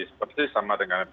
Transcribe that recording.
seperti sama dengan psbb